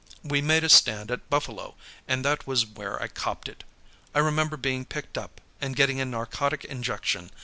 We made a stand at Buffalo, and that was where I copped it. I remember being picked up, and getting a narcotic injection.